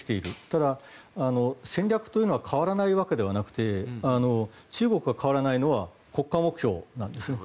ただ、戦略というのは変わらないわけではなくて中国が変わらないのは国家目標なんですね。